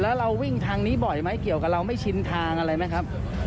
แล้วเราวิ่งทางนี้บ่อยไหมเกี่ยวกับเราไม่ชินทางอะไรไหมครับ